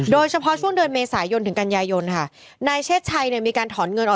โดยเฉพาะช่วงเดือนเม